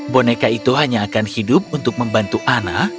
boneka itu hanya akan hidup untuk membantu ana